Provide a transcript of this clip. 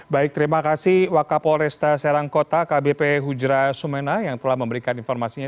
baik terima kasih wakapolesta serangkota kbp ujira sumena yang telah memberikan informasinya